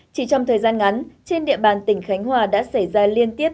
chỉ trong thời gian ngắn trên địa bàn tỉnh khánh hòa đã xảy ra liên tiếp